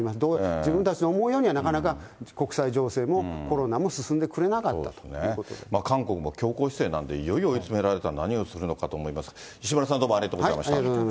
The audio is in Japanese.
自分たちの思うようにはなかなか国際情勢もコロナも進んでくれな韓国も強硬姿勢なんで、いよいよ追い詰められたら何をするのかと思います、石丸さん、どうもありがとうございました。